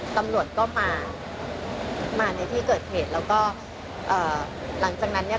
ตำรวจก็มามาในที่เกิดเหตุแล้วก็เอ่อหลังจากนั้นเนี่ย